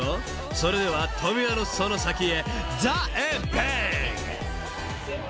［それでは扉のその先へ］